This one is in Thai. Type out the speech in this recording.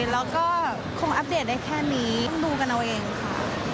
แล้วก็คงอัปเดตได้แค่นี้ดูกันเอาเองค่ะ